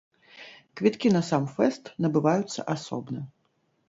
Квіткі на сам фэст набываюцца асобна.